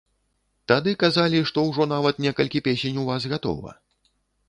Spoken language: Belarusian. Тады казалі, што ўжо, нават, некалькі песень у вас гатова.